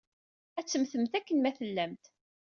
Ad temmtemt akken ma tellamt.